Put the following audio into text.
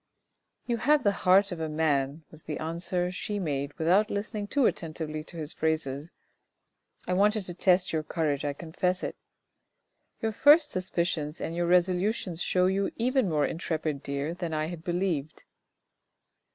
" You have the heart of a man," was the answer she made without listening too attentively to his phrases ;" I wanted to test your courage, I confess it. Your first suspicions and your resolutions show you even more intrepid, dear, than I had believed."